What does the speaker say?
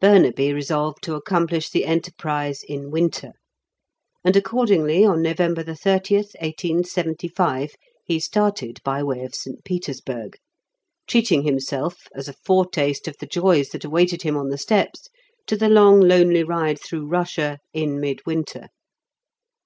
Burnaby resolved to accomplish the enterprise in winter; and accordingly, on November 30th, 1875, he started by way of St. Petersburg, treating himself, as a foretaste of the joys that awaited him on the steppes, to the long lonely ride through Russia in midwinter.